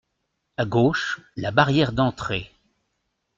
A gauche, la barrière d'entrée.